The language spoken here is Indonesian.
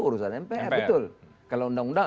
urusan mpr betul kalau undang undang